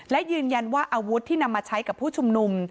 และยืนยันว่าอาวุธที่นำมาใช้กับผู้ชุมนุม